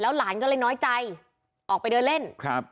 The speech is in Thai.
หลานก็เลยน้อยใจออกไปเดินเล่นครับ